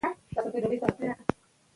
سطحي تجربو د هغه روح ته قناعت ورنکړ.